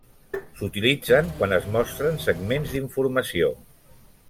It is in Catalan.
S'utilitzen quan es mostren segments d'informació.